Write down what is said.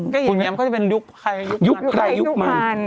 แกหยังไงก็จะเป็นยุคใครยุคมัน